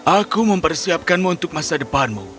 aku mempersiapkanmu untuk masa depanmu